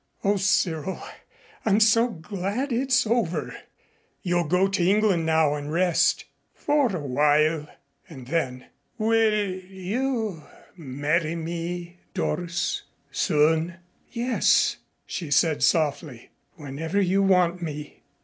"O Cyril, I'm so glad it's all over. You'll go to England now and rest." "For a while." And then, "Will you marry me, Doris? Soon?" "Yes," she said softly. "Whenever you want me."